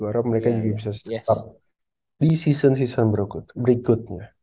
harap mereka juga bisa tetap di season season berikutnya